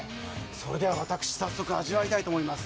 それでは早速味わいたいと思います。